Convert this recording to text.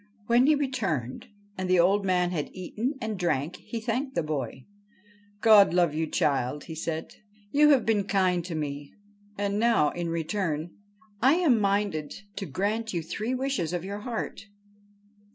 When he returned, and the old man had eaten and drank, he thanked the boy. 'God love you, child,' he said; 'you have been kind to me. And now, in return, I am minded to grant you three wishes of your heart.